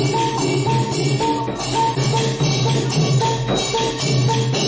โปรดติดตามตอนต่อไป